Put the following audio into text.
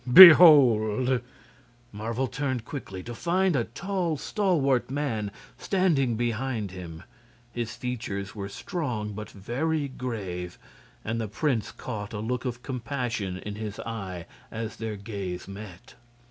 Behold!" Marvel turned quickly, to find a tall, stalwart man standing behind him. His features were strong but very grave, and the prince caught a look of compassion in his eye as their gaze met.